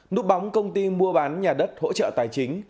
núp bóng công ty mua bán nhà đất hỗ trợ tài chính